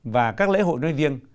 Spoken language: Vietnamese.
và các lễ hội nói riêng